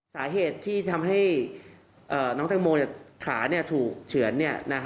สาเหตุที่ทำให้น้องแตงโมขาถูกเฉือน